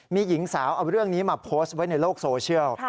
มีหญิงสาวเอาเรื่องนี้มาโพสต์ไว้ในโลกโซเชียล